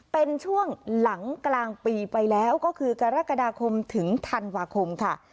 เป็นช่วงหลังกลางปีไปแล้วก็คือกรกฎาคมถึงธันวาคมค่ะ